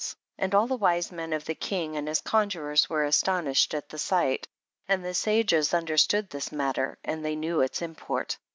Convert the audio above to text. And all the wise men of the king and his conjurors were aston ished at the sight, and the sages un derstood this matter, and they knew its import.